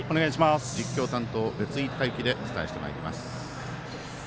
実況担当別井敬之アナウンサーでお伝えしてまいります。